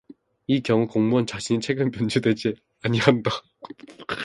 이 경우 공무원 자신의 책임은 면제되지 아니한다.